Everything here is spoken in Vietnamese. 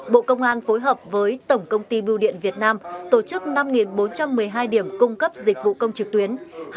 bộ công an phối hợp với tổng công ty bưu điện việt nam tổ chức năm bốn trăm một mươi hai điểm cung cấp dịch vụ công trực tuyến